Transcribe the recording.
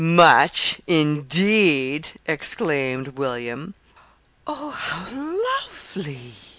"'Much,' indeed!" exclaimed William. "Oh, how lovely!"